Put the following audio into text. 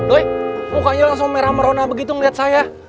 dui mukanya langsung merah merona begitu ngelihat saya